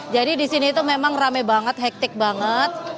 jadi di sini itu memang rame banget hektik banget